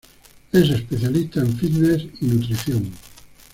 Es especialista en fitness y nutrición.